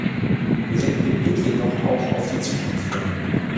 Wir sollten den Blick jedoch auch auf die Zukunft wenden.